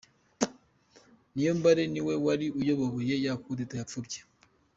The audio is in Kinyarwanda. Niyombare niwe wari uyoboboye ya kudeta yapfubye.